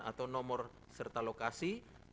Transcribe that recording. atau nomor serta lokasi